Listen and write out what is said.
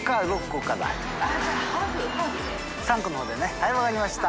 はい分かりました。